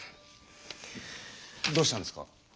どうしたんですか？